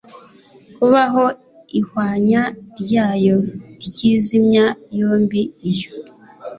kubaho ihwanya ryayo riyizimya yombi iyo